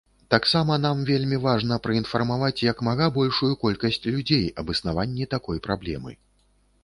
Таксама нам вельмі важна праінфармаваць як мага большую колькасць людзей аб існаванні такой праблемы.